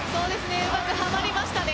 うまくはまりましたね。